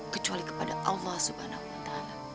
kecuali kepada allah swt